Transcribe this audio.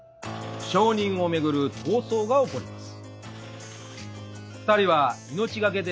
承認をめぐる闘争が起こります。